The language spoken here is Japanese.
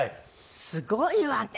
すごいわね！